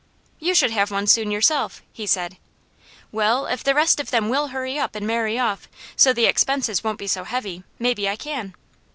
"You should have one soon, yourself," he said. "Well, if the rest of them will hurry up and marry off, so the expenses won't be so heavy, maybe I can."